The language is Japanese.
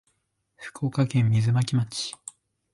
福岡県水巻町